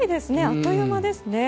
あっという間ですね。